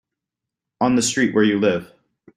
On the street where you live.